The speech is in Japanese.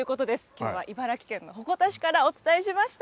きょうは茨城県の鉾田市からお伝えしました。